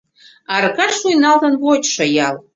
Аркаш шуйналтын вочшо ял.